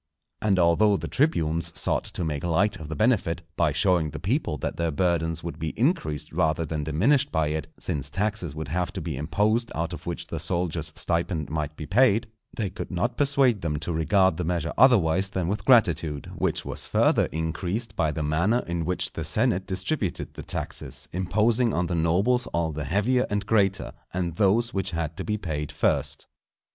And although the tribunes sought to make light of the benefit, by showing the people that their burthens would be increased rather than diminished by it, since taxes would have to be imposed out of which the soldier's stipend might be paid, they could not persuade them to regard the measure otherwise than with gratitude; which was further increased by the manner in which the senate distributed the taxes, imposing on the nobles all the heavier and greater, and those which had to be paid first.